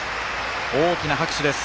大きな拍手です。